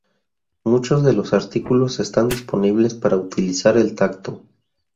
Muchos de los artículos están disponibles para utilizar el tacto.